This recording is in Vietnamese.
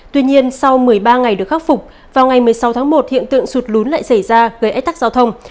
tuy nhiên sau một mươi ba ngày được khắc phục vào ngày một mươi sáu tháng một hiện tượng sụt lún lại xảy ra gây ách tắc giao thông